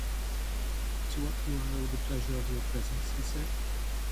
"To what do I owe the pleasure of your presence," he said.